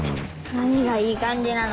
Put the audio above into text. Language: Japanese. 何がいい感じなの？